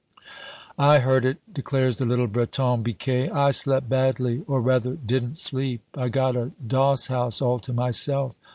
"I heard it," declares the little Breton, Biquet; "I slept badly, or rather, didn't sleep. I've got a doss house all to myself.